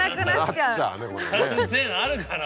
３０００あるかな？